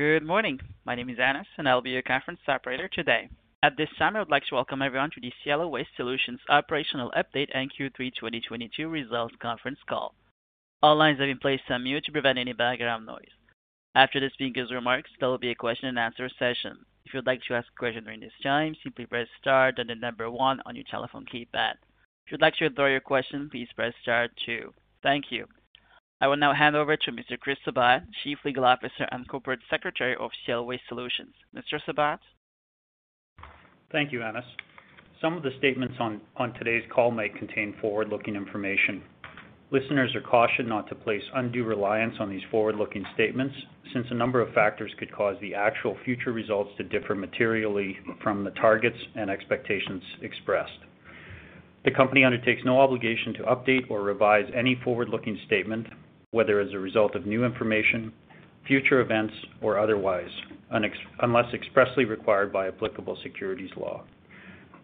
Good morning. My name is Anas, and I'll be your conference operator today. At this time, I'd like to welcome everyone to the Cielo Waste Solutions Operational Update and Q3 2022 Results Conference Call. All lines have been placed on mute to prevent any background noise. After the speaker's remarks, there will be a question-and-answer session. If you'd like to ask a question during this time, simply press star, then the number one on your telephone keypad. If you'd like to withdraw your question, please press star two. Thank you. I will now hand over to Mr. Chris Sabat, Chief Legal Officer and Corporate Secretary of Cielo Waste Solutions. Mr. Sabat? Thank you, Anas. Some of the statements on today's call may contain forward-looking information. Listeners are cautioned not to place undue reliance on these forward-looking statements, since a number of factors could cause the actual future results to differ materially from the targets and expectations expressed. The company undertakes no obligation to update or revise any forward-looking statement, whether as a result of new information, future events, or otherwise, unless expressly required by applicable securities law.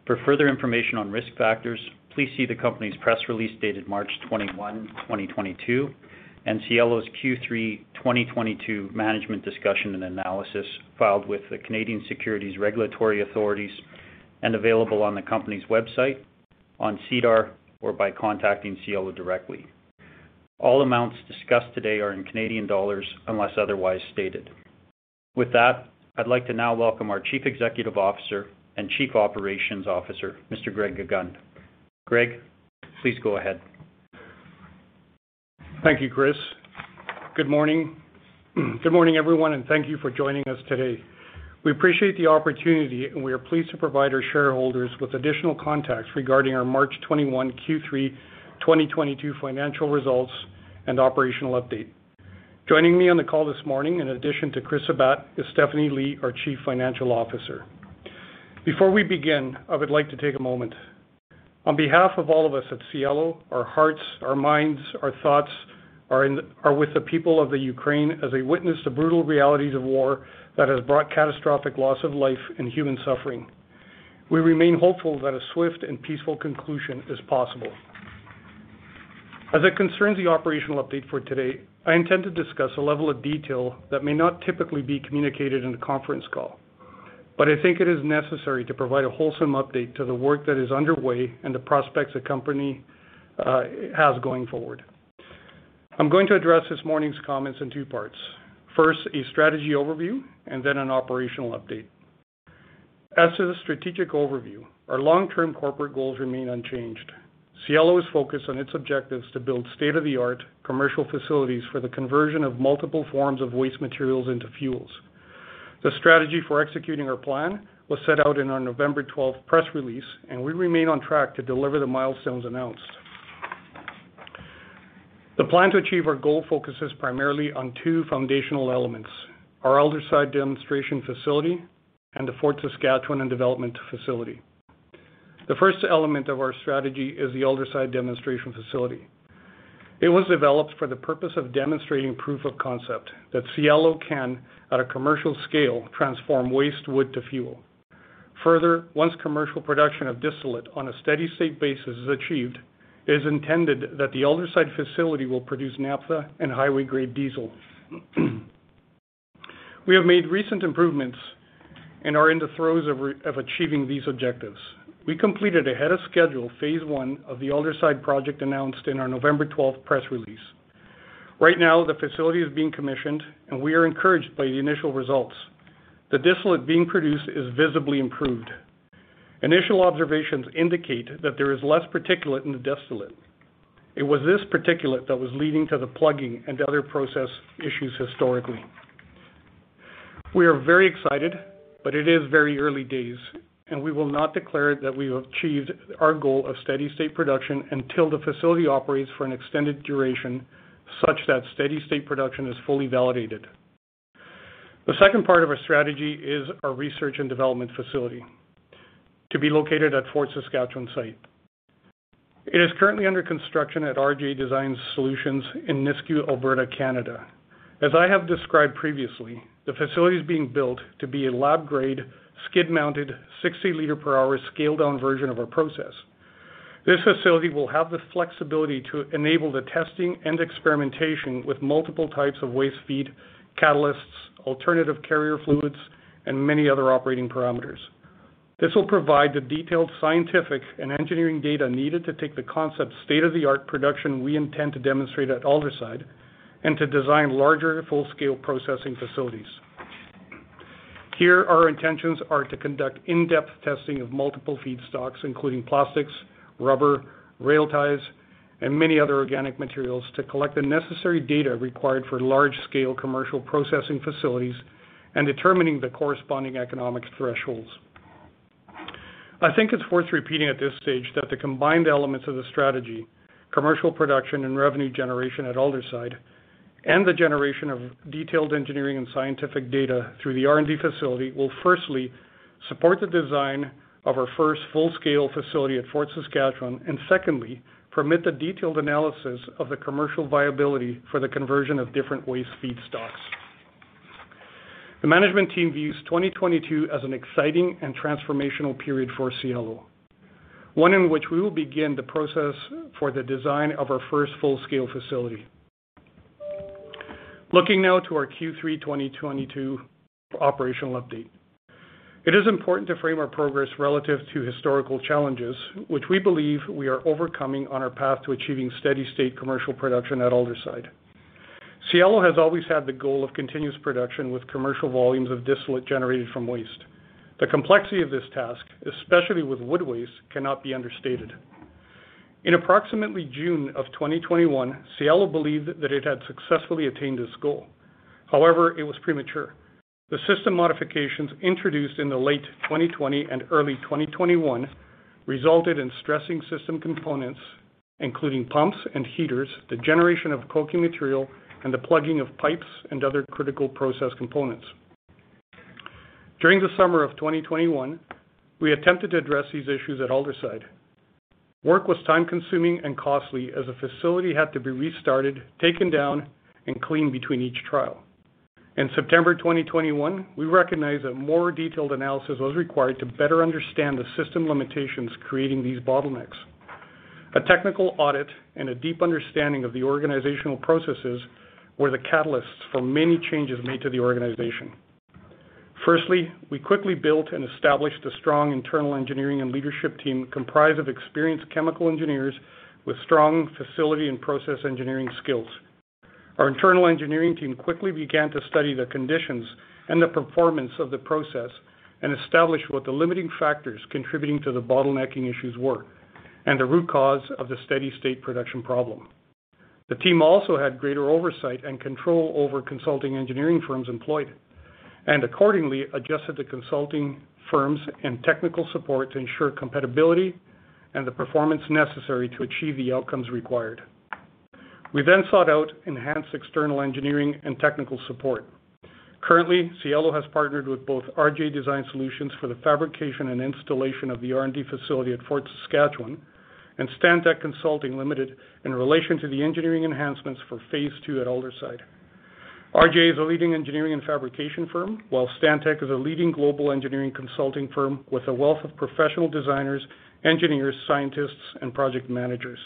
For further information on risk factors, please see the company's press release dated March 21, 2022, and Cielo's Q3 2022 management discussion and analysis filed with the Canadian Securities Administrators and available on the company's website, on SEDAR, or by contacting Cielo directly. All amounts discussed today are in Canadian dollars unless otherwise stated. With that, I'd like to now welcome our Chief Executive Officer and Chief Operating Officer, Mr. Gregg Gegunde. Gregg, please go ahead. Thank you, Chris. Good morning. Good morning, everyone, and thank you for joining us today. We appreciate the opportunity, and we are pleased to provide our shareholders with additional context regarding our March 21 Q3 2022 financial results and operational update. Joining me on the call this morning, in addition to Chris Sabat, is Stephanie Li, our Chief Financial Officer. Before we begin, I would like to take a moment. On behalf of all of us at Cielo, our hearts, our minds, our thoughts are with the people of the Ukraine as they witness the brutal realities of war that has brought catastrophic loss of life and human suffering. We remain hopeful that a swift and peaceful conclusion is possible. As it concerns the operational update for today, I intend to discuss a level of detail that may not typically be communicated in a conference call. I think it is necessary to provide a wholesome update to the work that is underway and the prospects the company has going forward. I'm going to address this morning's comments in two parts. First, a strategy overview, and then an operational update. As to the strategic overview, our long-term corporate goals remain unchanged. Cielo is focused on its objectives to build state-of-the-art commercial facilities for the conversion of multiple forms of waste materials into fuels. The strategy for executing our plan was set out in our November 12th press release, and we remain on track to deliver the milestones announced. The plan to achieve our goal focuses primarily on two foundational elements, our Aldersyde demonstration facility and the Fort Saskatchewan development facility. The first element of our strategy is the Aldersyde demonstration facility. It was developed for the purpose of demonstrating proof of concept that Cielo can, at a commercial scale, transform waste wood to fuel. Further, once commercial production of distillate on a steady state basis is achieved, it is intended that the Aldersyde facility will produce naphtha and highway-grade diesel. We have made recent improvements and are in the throes of achieving these objectives. We completed ahead of schedule phase one of the Aldersyde project announced in our November 12 press release. Right now, the facility is being commissioned, and we are encouraged by the initial results. The distillate being produced is visibly improved. Initial observations indicate that there is less particulate in the distillate. It was this particulate that was leading to the plugging and other process issues historically. We are very excited, but it is very early days, and we will not declare that we have achieved our goal of steady state production until the facility operates for an extended duration such that steady state production is fully validated. The second part of our strategy is our research and development facility to be located at Fort Saskatchewan site. It is currently under construction at RJ Design Solutions in Nisku, Alberta, Canada. As I have described previously, the facility is being built to be a lab-grade, skid-mounted, 60-liter per hour scaled-down version of our process. This facility will have the flexibility to enable the testing and experimentation with multiple types of waste feed, catalysts, alternative carrier fluids, and many other operating parameters. This will provide the detailed scientific and engineering data needed to take the concept to state-of-the-art production we intend to demonstrate at Aldersyde and to design larger full-scale processing facilities. Here, our intentions are to conduct in-depth testing of multiple feedstocks, including plastics, rubber, rail ties, and many other organic materials to collect the necessary data required for large-scale commercial processing facilities and determining the corresponding economic thresholds. I think it's worth repeating at this stage that the combined elements of the strategy, commercial production and revenue generation at Aldersyde, and the generation of detailed engineering and scientific data through the R&D facility, will firstly support the design of our first full-scale facility at Fort Saskatchewan, and secondly, permit the detailed analysis of the commercial viability for the conversion of different waste feedstocks. The management team views 2022 as an exciting and transformational period for Cielo, one in which we will begin the process for the design of our first full-scale facility. Looking now to our Q3 2022 operational update. It is important to frame our progress relative to historical challenges, which we believe we are overcoming on our path to achieving steady-state commercial production at Aldersyde. Cielo has always had the goal of continuous production with commercial volumes of distillate generated from waste. The complexity of this task, especially with wood waste, cannot be understated. In approximately June of 2021, Cielo believed that it had successfully attained this goal. However, it was premature. The system modifications introduced in the late 2020 and early 2021 resulted in stressing system components, including pumps and heaters, the generation of coking material, and the plugging of pipes and other critical process components. During the summer of 2021, we attempted to address these issues at Aldersyde. Work was time-consuming and costly as the facility had to be restarted, taken down, and cleaned between each trial. In September 2021, we recognized that more detailed analysis was required to better understand the system limitations creating these bottlenecks. A technical audit and a deep understanding of the organizational processes were the catalysts for many changes made to the organization. Firstly, we quickly built and established a strong internal engineering and leadership team comprised of experienced chemical engineers with strong facility and process engineering skills. Our internal engineering team quickly began to study the conditions and the performance of the process and establish what the limiting factors contributing to the bottlenecking issues were, and the root cause of the steady state production problem. The team also had greater oversight and control over consulting engineering firms employed, and accordingly adjusted the consulting firms and technical support to ensure compatibility and the performance necessary to achieve the outcomes required. We then sought out enhanced external engineering and technical support. Currently, Cielo has partnered with both RJ Design Solutions for the fabrication and installation of the R&D facility at Fort Saskatchewan and Stantec Consulting Limited in relation to the engineering enhancements for Phase II at Aldersyde. RJ is a leading engineering and fabrication firm, while Stantec is a leading global engineering consulting firm with a wealth of professional designers, engineers, scientists, and project managers.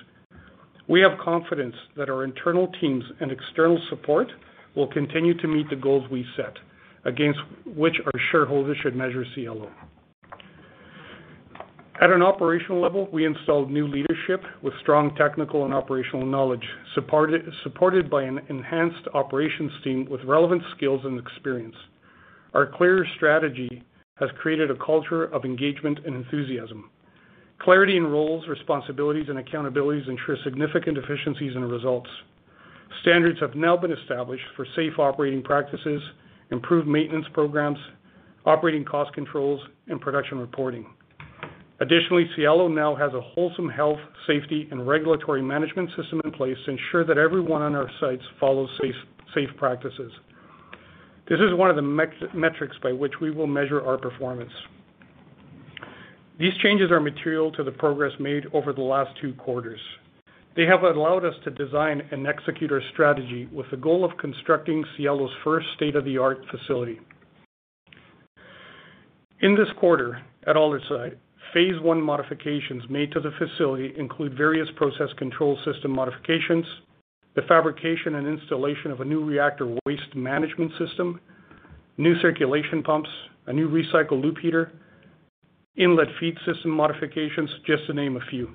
We have confidence that our internal teams and external support will continue to meet the goals we set, against which our shareholders should measure Cielo. At an operational level, we installed new leadership with strong technical and operational knowledge, supported by an enhanced operations team with relevant skills and experience. Our clear strategy has created a culture of engagement and enthusiasm. Clarity in roles, responsibilities, and accountabilities ensure significant efficiencies and results. Standards have now been established for safe operating practices, improved maintenance programs, operating cost controls, and production reporting. Additionally, Cielo now has a wholesome health, safety, and regulatory management system in place to ensure that everyone on our sites follows safe practices. This is one of the metrics by which we will measure our performance. These changes are material to the progress made over the last two quarters. They have allowed us to design and execute our strategy with the goal of constructing Cielo's first state-of-the-art facility. In this quarter at Aldersyde, Phase I modifications made to the facility include various process control system modifications, the fabrication and installation of a new reactor waste management system, new circulation pumps, a new recycle loop heater, inlet feed system modifications, just to name a few.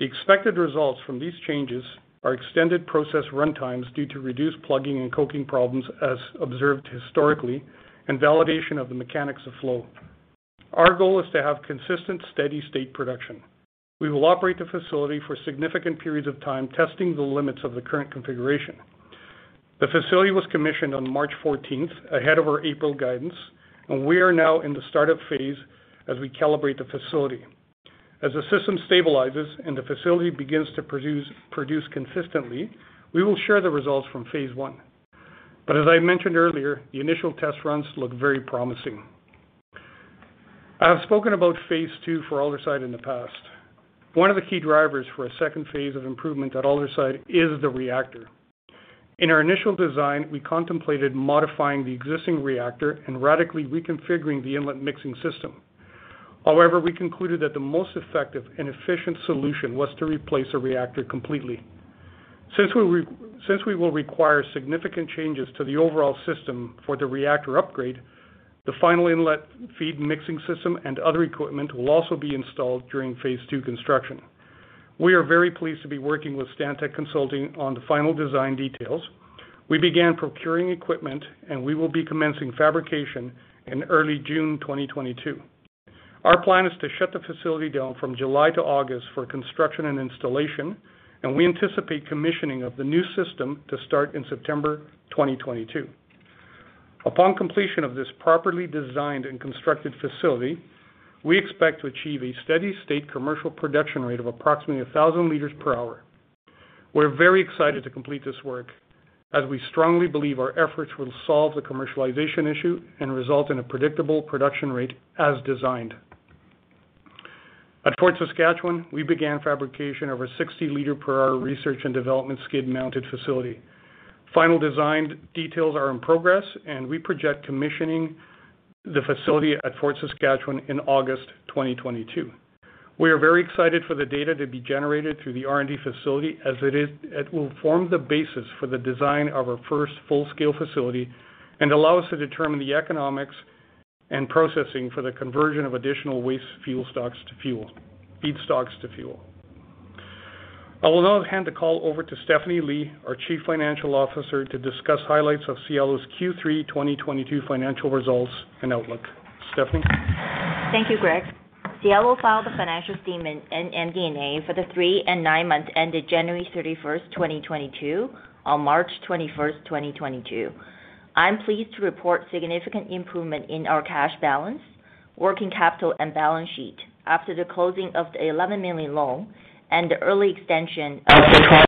The expected results from these changes are extended process runtimes due to reduced plugging and coking problems as observed historically, and validation of the mechanics of flow. Our goal is to have consistent steady-state production. We will operate the facility for significant periods of time, testing the limits of the current configuration. The facility was commissioned on March 14th, ahead of our April guidance, and we are now in the startup phase as we calibrate the facility. As the system stabilizes and the facility begins to produce consistently, we will share the results from Phase I. As I mentioned earlier, the initial test runs look very promising. I have spoken about Phase II for Aldersyde in the past. One of the key drivers for a second phase of improvement at Aldersyde is the reactor. In our initial design, we contemplated modifying the existing reactor and radically reconfiguring the inlet mixing system. However, we concluded that the most effective and efficient solution was to replace a reactor completely. Since we will require significant changes to the overall system for the reactor upgrade, the final inlet feed mixing system and other equipment will also be installed during phase II construction. We are very pleased to be working with Stantec Consulting on the final design details. We began procuring equipment, and we will be commencing fabrication in early June 2022. Our plan is to shut the facility down from July to August for construction and installation, and we anticipate commissioning of the new system to start in September 2022. Upon completion of this properly designed and constructed facility, we expect to achieve a steady state commercial production rate of approximately 1,000 liters per hour. We're very excited to complete this work, as we strongly believe our efforts will solve the commercialization issue and result in a predictable production rate as designed. At Fort Saskatchewan, we began fabrication of our 60-liter per hour research and development skid-mounted facility. Final design details are in progress, and we project commissioning the facility at Fort Saskatchewan in August 2022. We are very excited for the data to be generated through the R&D facility as it will form the basis for the design of our first full-scale facility and allow us to determine the economics and processing for the conversion of additional waste feedstocks to fuel. I will now hand the call over to Stephanie Li, our Chief Financial Officer, to discuss highlights of Cielo's Q3 2022 financial results and outlook. Stephanie. Thank you, Gregg. Cielo filed the financial statement and MD&A for the three and nine months ended January 31st, 2022 on March 21st, 2022. I'm pleased to report significant improvement in our cash balance, working capital and balance sheet after the closing of the 11 million loan and the early extension of the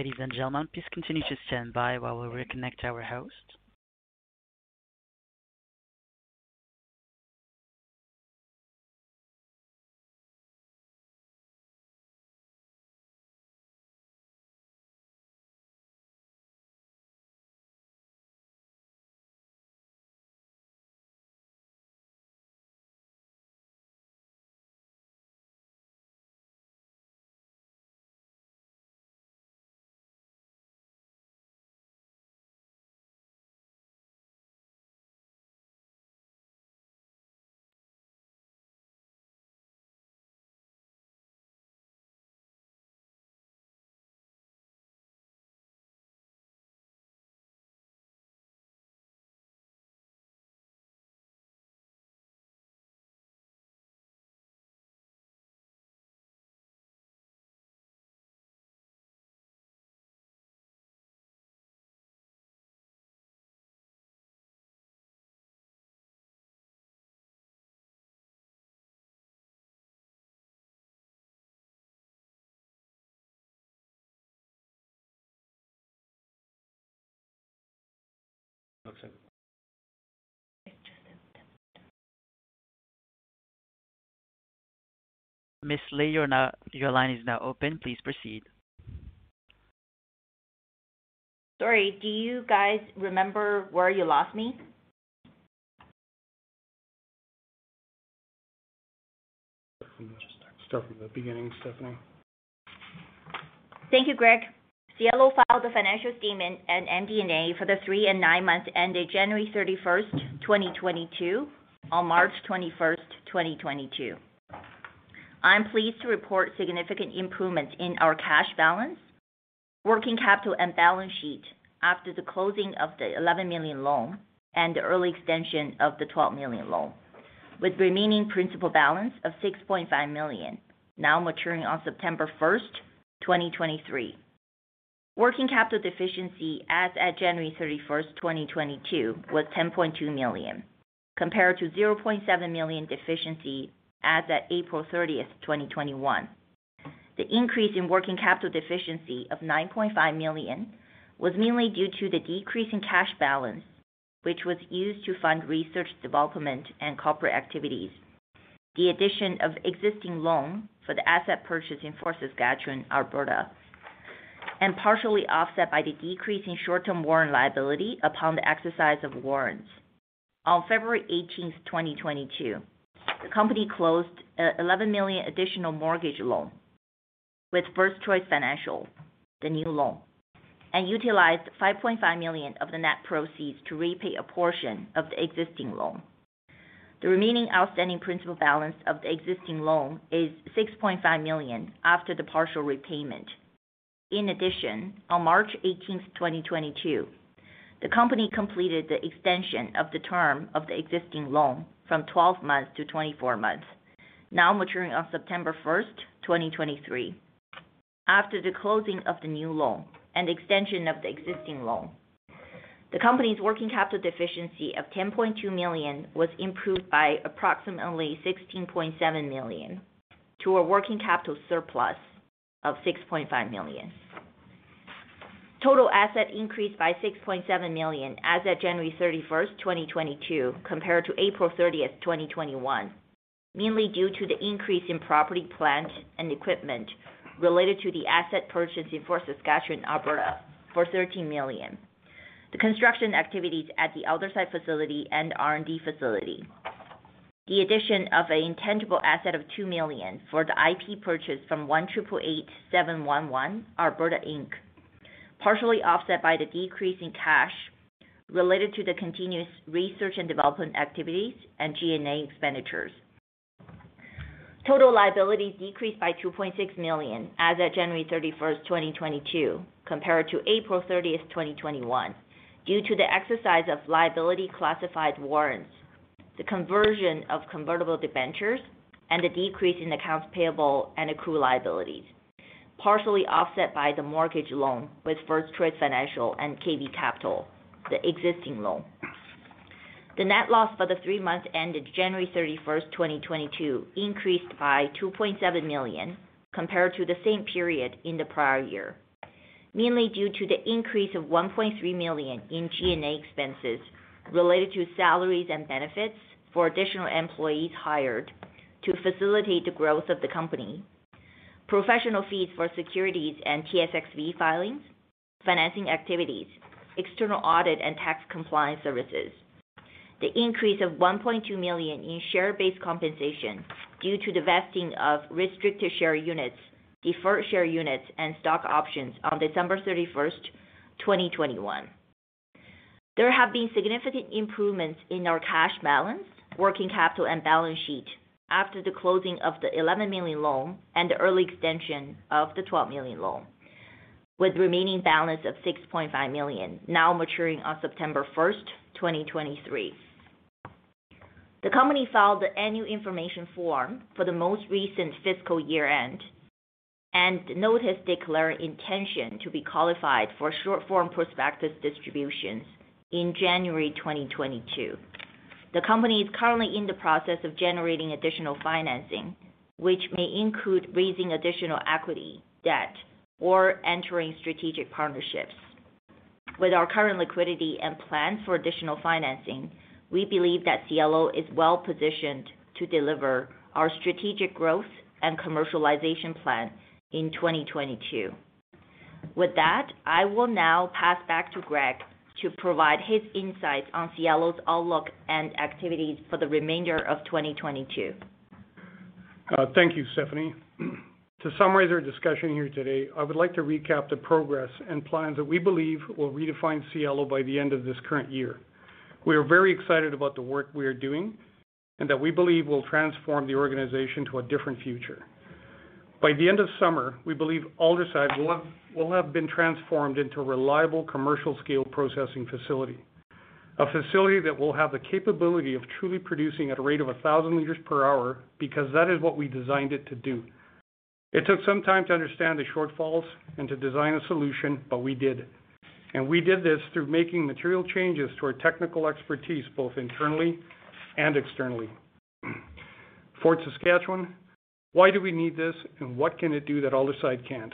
CAD 12 million loan, with remaining principal balance of 6.5 million now maturing on September 1st, 2023. Working capital deficiency as at January 31st, 2022 was 10.2 million, compared to 0.7 million deficiency as at April 30th, 2021. The increase in working capital deficiency of 9.5 million was mainly due to the decrease in cash balance, which was used to fund research, development and corporate activities. The addition of existing loan for the asset purchase in Fort Saskatchewan, Alberta. Partially offset by the decrease in short-term warrant liability upon the exercise of warrants. On February 18, 2022, the company closed eleven million additional mortgage loan with First Choice Financial, the new loan, and utilized $5.5 million of the net proceeds to repay a portion of the existing loan. The remaining outstanding principal balance of the existing loan is $6.5 million after the partial repayment. In addition, on March 18, 2022, the company completed the extension of the term of the existing loan from 12 months to 24 months, now maturing on September 1st, 2023. After the closing of the new loan and extension of the existing loan, the company's working capital deficiency of 10.2 million was improved by approximately 16.7 million to a working capital surplus of 6.5 million. Total assets increased by 6.7 million as at January 31st, 2022, compared to April 30th, 2021, mainly due to the increase in property, plant, and equipment related to the asset purchase in Fort Saskatchewan, Alberta for 13 million, the construction activities at the Aldersyde facility and R&D facility, the addition of an intangible asset of 2 million for the IP purchase from 1.89 million, Alberta, Inc, partially offset by the decrease in cash related to the continuous research and development activities and G&A expenditures. Total liabilities decreased by 2.6 million as at January 31st, 2022, compared to April 30th, 2021, due to the exercise of liability classified warrants, the conversion of convertible debentures, and the decrease in accounts payable and accrued liabilities, partially offset by the mortgage loan with First Choice Financial and KV Capital, the existing loan. The net loss for the three months ended January 31st, 2022 increased by 2.7 million compared to the same period in the prior year, mainly due to the increase of 1.3 million in G&A expenses related to salaries and benefits for additional employees hired to facilitate the growth of the company, professional fees for securities and TSXV filings, financing activities, external audit and tax compliance services. The increase of 1.2 million in share-based compensation due to the vesting of restricted share units, deferred share units, and stock options on December 31st, 2021. There have been significant improvements in our cash balance, working capital, and balance sheet after the closing of the 11 million loan and the early extension of the 12 million loan, with remaining balance of 6.5 million now maturing on September 1st, 2023. The company filed the annual information form for the most recent fiscal year-end and a notice declaring intention to be qualified for short-form prospectus distributions in January 2022. The company is currently in the process of generating additional financing, which may include raising additional equity, debt, or entering strategic partnerships. With our current liquidity and plans for additional financing, we believe that Cielo is well-positioned to deliver our strategic growth and commercialization plan in 2022. With that, I will now pass back to Greg to provide his insights on Cielo's outlook and activities for the remainder of 2022. Thank you, Stephanie. To summarize our discussion here today, I would like to recap the progress and plans that we believe will redefine Cielo by the end of this current year. We are very excited about the work we are doing and that we believe will transform the organization to a different future. By the end of summer, we believe Aldersyde will have been transformed into a reliable commercial-scale processing facility. A facility that will have the capability of truly producing at a rate of 1,000 liters per hour because that is what we designed it to do. It took some time to understand the shortfalls and to design a solution, but we did. We did this through making material changes to our technical expertise, both internally and externally. Fort Saskatchewan, why do we need this and what can it do that Aldersyde can't?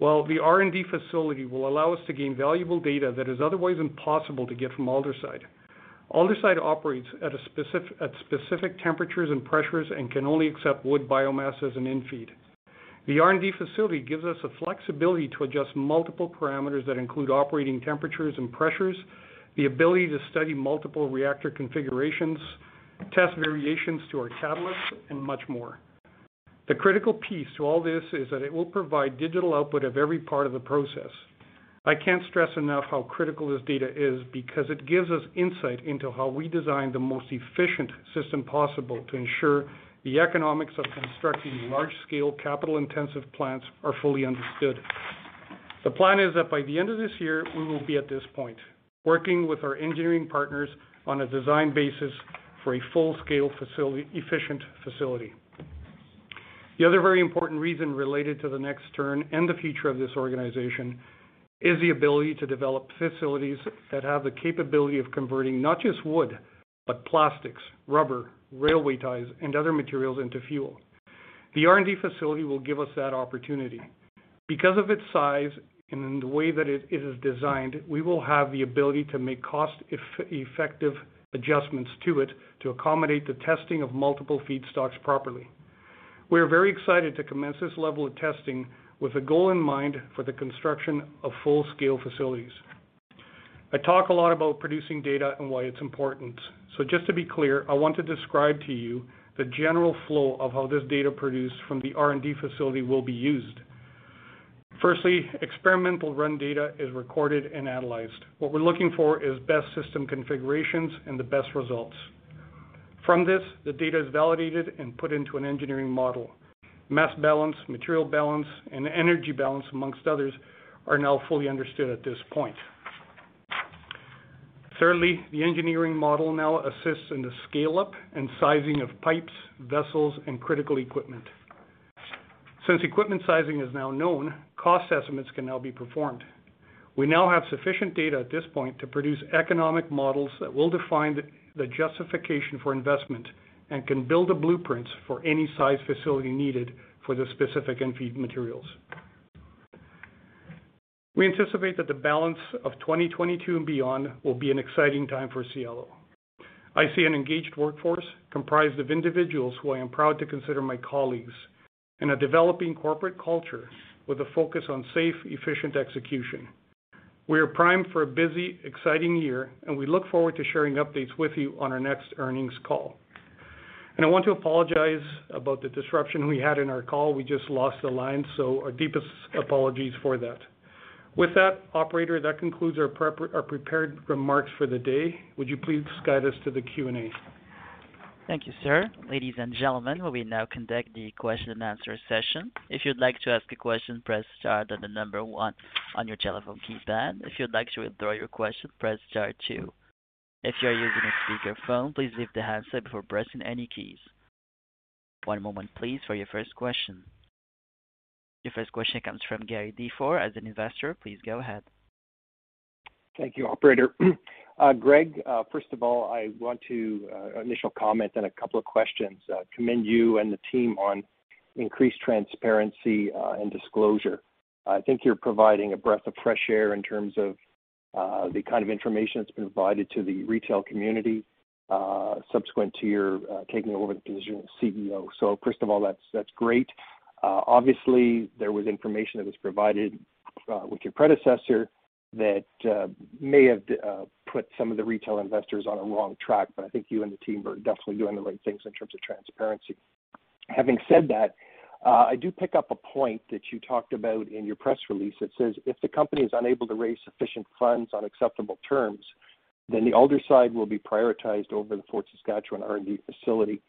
Well, the R&D facility will allow us to gain valuable data that is otherwise impossible to get from Aldersyde. Aldersyde operates at specific temperatures and pressures and can only accept wood biomass as an in-feed. The R&D facility gives us the flexibility to adjust multiple parameters that include operating temperatures and pressures, the ability to study multiple reactor configurations, test variations to our catalyst, and much more. The critical piece to all this is that it will provide digital output of every part of the process. I can't stress enough how critical this data is because it gives us insight into how we design the most efficient system possible to ensure the economics of constructing large-scale capital-intensive plants are fully understood. The plan is that by the end of this year, we will be at this point, working with our engineering partners on a design basis for a full-scale efficient facility. The other very important reason related to the next turn and the future of this organization is the ability to develop facilities that have the capability of converting not just wood, but plastics, rubber, railway ties, and other materials into fuel. The R&D facility will give us that opportunity. Because of its size and the way that it is designed, we will have the ability to make cost-effective adjustments to it to accommodate the testing of multiple feedstocks properly. We are very excited to commence this level of testing with a goal in mind for the construction of full-scale facilities. I talk a lot about producing data and why it's important. Just to be clear, I want to describe to you the general flow of how this data produced from the R&D facility will be used. Firstly, experimental run data is recorded and analyzed. What we're looking for is best system configurations and the best results. From this, the data is validated and put into an engineering model. Mass balance, material balance, and energy balance, among others, are now fully understood at this point. Thirdly, the engineering model now assists in the scale-up and sizing of pipes, vessels, and critical equipment. Since equipment sizing is now known, cost estimates can now be performed. We now have sufficient data at this point to produce economic models that will define the justification for investment and can build the blueprints for any size facility needed for the specific input materials. We anticipate that the balance of 2022 and beyond will be an exciting time for Cielo. I see an engaged workforce comprised of individuals who I am proud to consider my colleagues, and a developing corporate culture with a focus on safe, efficient execution. We are primed for a busy, exciting year, and we look forward to sharing updates with you on our next earnings call. I want to apologize about the disruption we had in our call. We just lost the line, so our deepest apologies for that. With that, operator, that concludes our prepared remarks for the day. Would you please guide us to the Q&A? Thank you, sir. Ladies and gentlemen, we will now conduct the question and answer session. If you'd like to ask a question, press star, then the number one on your telephone keypad. If you'd like to withdraw your question, press star two. If you are using a speakerphone, please lift the handset before pressing any keys. One moment please for your first question. Your first question comes from Gary DeFor as an Investor. Please go ahead. Thank you, operator. Gregg, first of all, I want to make an initial comment, then a couple of questions. I commend you and the team on increased transparency and disclosure. I think you're providing a breath of fresh air in terms of the kind of information that's been provided to the retail community subsequent to your taking over the position of CEO. First of all, that's great. Obviously, there was information that was provided with your predecessor that may have put some of the retail investors on a wrong track, but I think you and the team are definitely doing the right things in terms of transparency. Having said that, I do pick up a point that you talked about in your press release that says, "If the company is unable to raise sufficient funds on acceptable terms, then the Aldersyde will be prioritized over the Fort Saskatchewan R&D facility."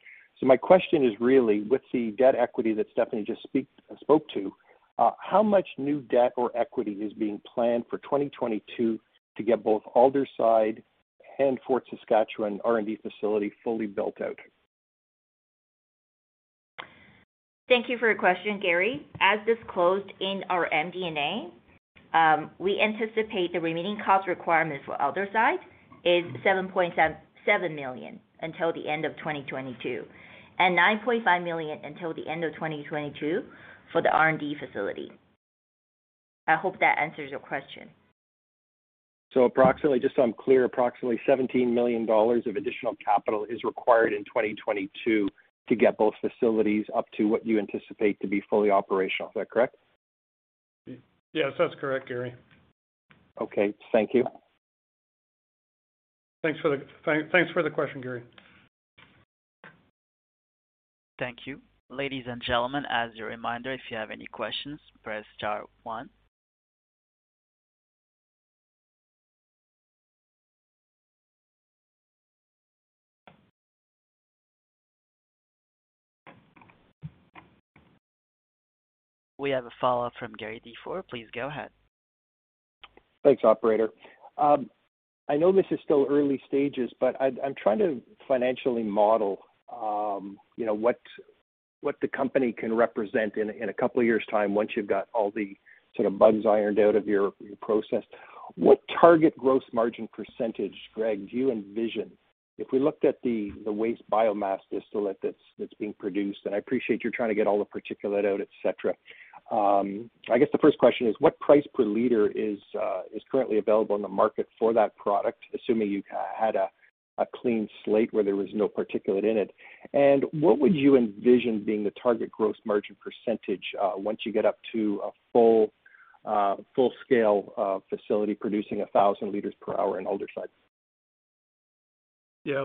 My question is really, with the debt equity that Stephanie just spoke to, how much new debt or equity is being planned for 2022 to get both Aldersyde and Fort Saskatchewan R&D facility fully built out? Thank you for your question, Gary. As disclosed in our MD&A, we anticipate the remaining cost requirements for Aldersyde is 7.7 million until the end of 2022, and 9.5 million until the end of 2022 for the R&D facility. I hope that answers your question. Approximately, just so I'm clear, approximately 17 million dollars of additional capital is required in 2022 to get both facilities up to what you anticipate to be fully operational. Is that correct? Yes, that's correct, Gary. Okay. Thank you. Thanks for the question, Gary. Thank you. Ladies and gentlemen, as a reminder, if you have any questions, press star one. We have a follow-up from Gary DeFor. Please go ahead. Thanks, operator. I know this is still early stages, but I'm trying to financially model, you know, what the company can represent in a couple of years' time once you've got all the sort of bugs ironed out of your process. What target gross margin percentage, Greg, do you envision? If we looked at the waste biomass distillate that's being produced, and I appreciate you're trying to get all the particulate out, etc. I guess the first question is, what price per liter is currently available in the market for that product, assuming you had a clean slate where there was no particulate in it? What would you envision being the target gross margin percentage once you get up to a full-scale facility producing 1000 liters per hour in Aldersyde? Yeah.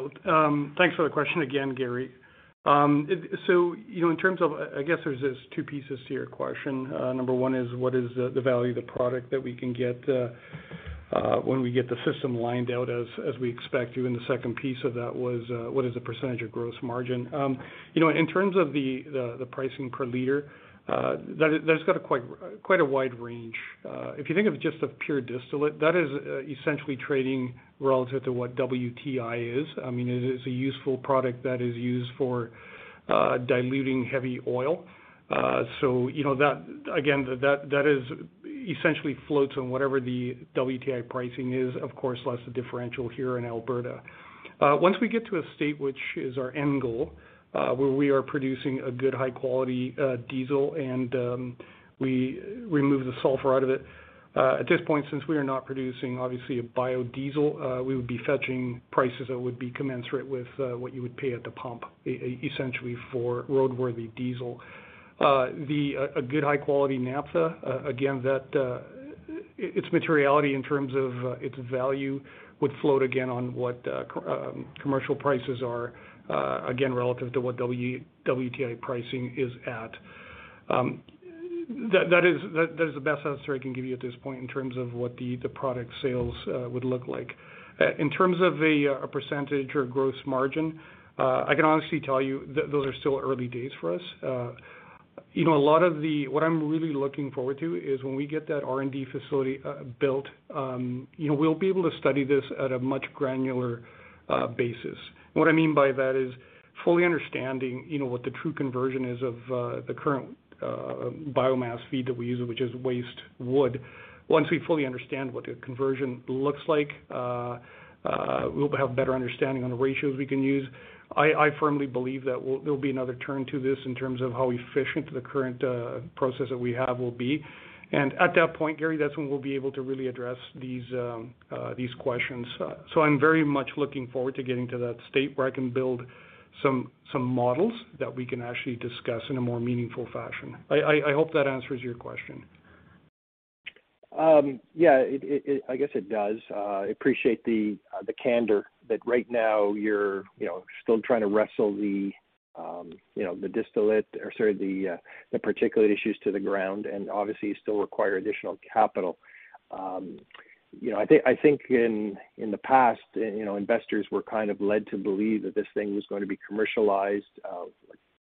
Thanks for the question again, Gary. So, you know, in terms of, I guess there's just two pieces to your question. Number one is what is the value of the product that we can get when we get the system lined out as we expect to. The second piece of that was what is the percentage of gross margin. You know, in terms of the pricing per liter, that's got quite a wide range. If you think of just a pure distillate, that is essentially trading relative to what WTI is. I mean, it is a useful product that is used for diluting heavy oil. You know, that essentially floats on whatever the WTI pricing is, of course, less the differential here in Alberta. Once we get to a state which is our end goal, where we are producing a good high quality diesel and we remove the sulfur out of it. At this point, since we are not producing obviously a biodiesel, we would be fetching prices that would be commensurate with what you would pay at the pump essentially for roadworthy diesel. A good high quality naphtha, again, its materiality in terms of its value would float again on what commercial prices are, again, relative to what WTI pricing is at. That is the best answer I can give you at this point in terms of what the product sales would look like. In terms of a percentage or gross margin, I can honestly tell you that those are still early days for us. You know, what I'm really looking forward to is when we get that R&D facility built, you know, we'll be able to study this at a much granular basis. What I mean by that is fully understanding, you know, what the true conversion is of the current biomass feed that we use, which is waste wood. Once we fully understand what the conversion looks like, we'll have better understanding on the ratios we can use. I firmly believe that there'll be another turn to this in terms of how efficient the current process that we have will be. At that point, Gary, that's when we'll be able to really address these questions. I'm very much looking forward to getting to that state where I can build some models that we can actually discuss in a more meaningful fashion. I hope that answers your question. Yeah, I guess it does. I appreciate the candor that right now you're, you know, still trying to wrestle the, you know, the distillate or sorry, the particulate issues to the ground, and obviously you still require additional capital. You know, I think in the past, you know, investors were kind of led to believe that this thing was gonna be commercialized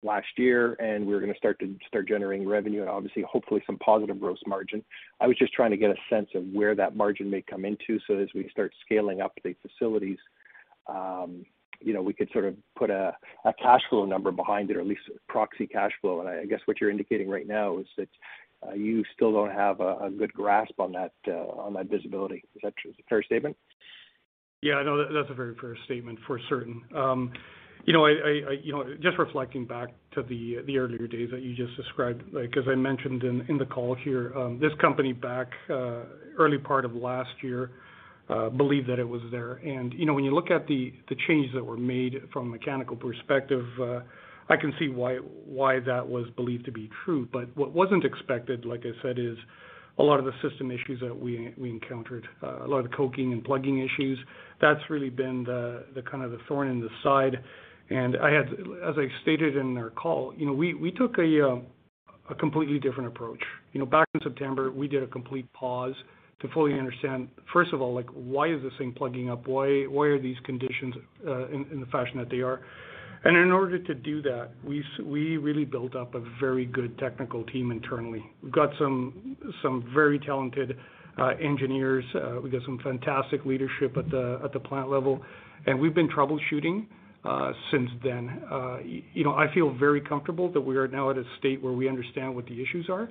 last year, and we're gonna start generating revenue and obviously hopefully some positive gross margin. I was just trying to get a sense of where that margin may come into so as we start scaling up the facilities, you know, we could sort of put a cash flow number behind it or at least proxy cash flow. I guess what you're indicating right now is that you still don't have a good grasp on that visibility. Is that true, a fair statement? Yeah, no, that's a very fair statement for certain. You know, I just reflecting back to the earlier days that you just described, like, as I mentioned in the call here, this company back early part of last year believed that it was there. You know, when you look at the changes that were made from a mechanical perspective, I can see why that was believed to be true. What wasn't expected, like I said, is a lot of the system issues that we encountered, a lot of the coking and plugging issues. That's really been the kind of the thorn in the side. As I stated in our call, you know, we took a completely different approach. You know, back in September, we did a complete pause to fully understand, first of all, like, why is this thing plugging up? Why are these conditions in the fashion that they are? In order to do that, we really built up a very good technical team internally. We've got some very talented engineers. We got some fantastic leadership at the plant level, and we've been troubleshooting since then. You know, I feel very comfortable that we are now at a state where we understand what the issues are.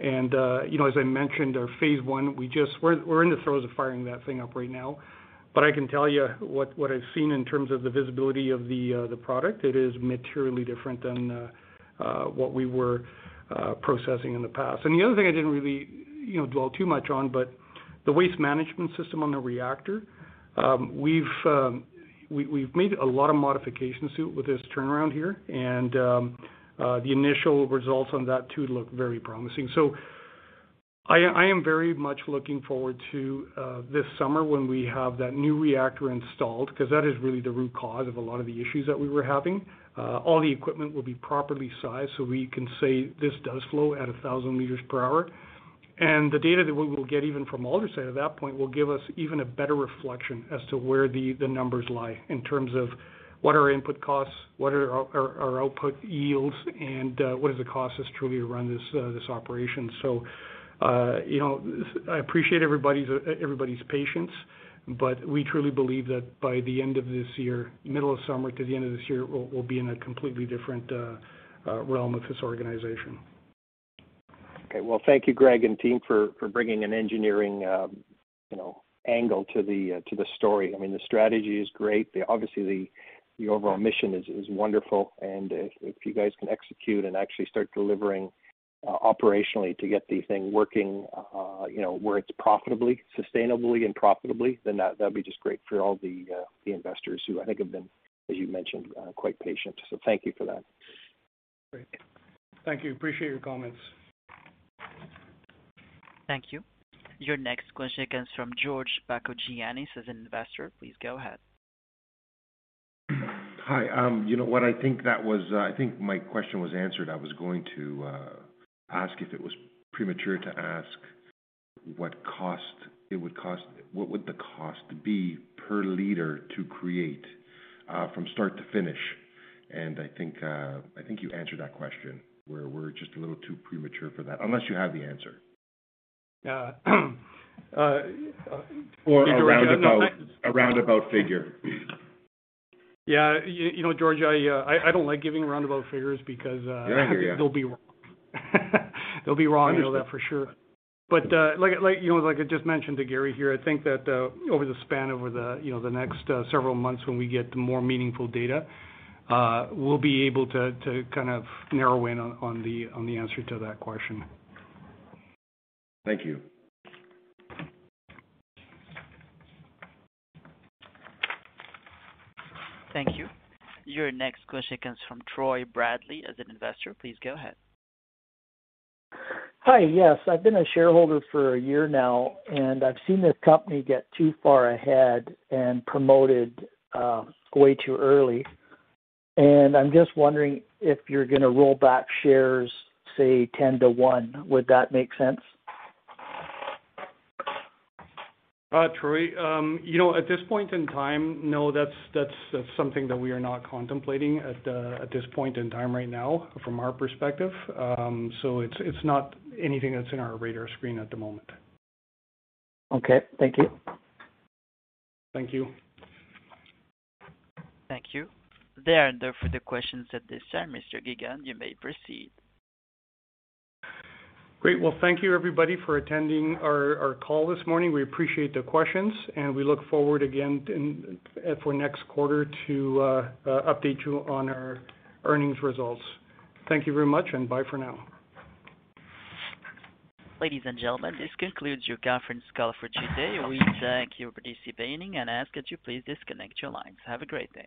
You know, as I mentioned, our Phase I. We're in the throes of firing that thing up right now. I can tell you what I've seen in terms of the visibility of the product, it is materially different than what we were processing in the past. The other thing I didn't really you know dwell too much on, but the waste management system on the reactor, we've made a lot of modifications to with this turnaround here and the initial results on that too look very promising. I am very much looking forward to this summer when we have that new reactor installed, because that is really the root cause of a lot of the issues that we were having. All the equipment will be properly sized, so we can say this does flow at 1,000 liters per hour. The data that we will get even from Aldersyde at that point will give us even a better reflection as to where the numbers lie in terms of what are our input costs, what are our output yields, and what is the cost that's truly to run this operation. You know, I appreciate everybody's patience, but we truly believe that by the end of this year, middle of summer to the end of this year, we'll be in a completely different realm with this organization. Okay. Well, thank you, Greg and team for bringing an engineering, you know, angle to the story. I mean, the strategy is great. Obviously, the overall mission is wonderful. If you guys can execute and actually start delivering operationally to get the thing working, you know, where it's profitably, sustainably and profitably, then that'd be just great for all the investors who I think have been, as you mentioned, quite patient. Thank you for that. Great. Thank you. Appreciate your comments. Thank you. Your next question comes from George Bakogiannis as an Investor. Please go ahead. Hi. You know what? I think my question was answered. I was going to ask if it was premature to ask what would the cost be per liter to create from start to finish. I think you answered that question, where we're just a little too premature for that, unless you have the answer. Yeah. A roundabout figure. Yeah. You know, George, I don't like giving roundabout figures because, Yeah, I hear you. They'll be wrong. Understood. I know that for sure. Like, you know, like I just mentioned to Gary here, I think that over the span, you know, the next several months when we get more meaningful data, we'll be able to to kind of narrow in on the answer to that question. Thank you. Thank you. Your next question comes from Troy Bradley as an Investor. Please go ahead. Hi. Yes, I've been a shareholder for a year now, and I've seen this company get too far ahead and promoted way too early. I'm just wondering if you're gonna roll back shares, say, 10 to 1. Would that make sense? Troy, you know, at this point in time, no, that's something that we are not contemplating at this point in time right now from our perspective. So it's not anything that's in our radar screen at the moment. Okay. Thank you. Thank you. Thank you. There are no further questions at this time. Mr. Gegunde, you may proceed. Great. Well, thank you everybody for attending our call this morning. We appreciate the questions, and we look forward again for next quarter to update you on our earnings results. Thank you very much, and bye for now. Ladies and gentlemen, this concludes your conference call for today. We thank you for participating and ask that you please disconnect your lines. Have a great day.